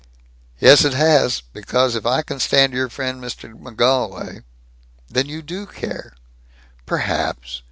"Yes. It has. Because if I can stand your friend Mr. McGolwey " "Then you do care!" "Perhaps.